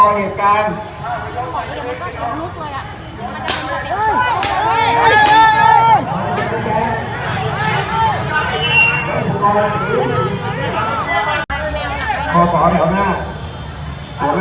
ด่วยท่านอุธจันนัดกิจกรรมของท่านนะครับ